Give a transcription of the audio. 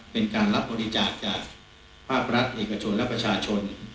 เป็นการรับบริจาคจากภาครัฐเอกชนและประชาชน